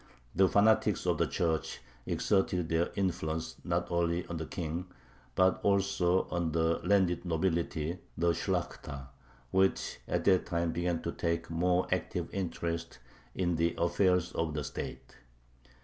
The fanatics of the Church exerted their influence not only on the King but also on the landed nobility, the Shlakhta, which at that time began to take a more active interest in the affairs of the state.